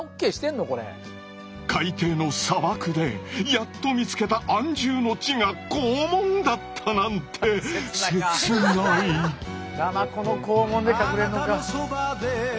海底の砂漠でやっと見つけた安住の地が肛門だったなんてナマコの肛門で隠れんのか。